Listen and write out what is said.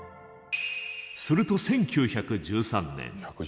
すると１９１３年。